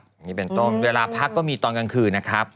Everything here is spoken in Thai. อย่างนี้เป็นต้นเวลาพักก็มีตอนกลางคืนนะครับ